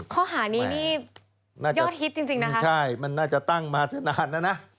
ข้อหานี้นี่ยอดฮิตจริงนะคะใช่มันน่าจะตั้งมานานแล้วนะ